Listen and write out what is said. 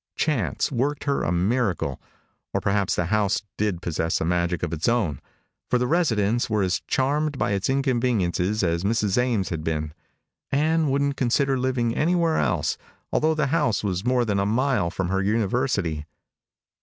Chance worked her a miracle or perhaps the house did possess a magic of its own for the residents were as charmed by its inconveniences as Mrs. Ames had been. Ann wouldn't consider living anywhere else, although the house was more than a mile from her university.